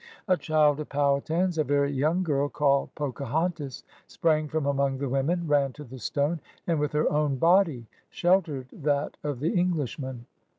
A child of Powhatan's, a very young girl called Pocahontas, sprang from among the women, ran to the stone, and with her own body sheltered that of the Englishman.